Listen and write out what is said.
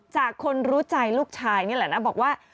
จากคนรู้ใจลูกชายนี่แหละนะบอกว่า